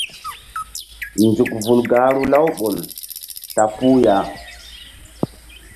Nzuk vul gahru Laouɓol ta puh ya.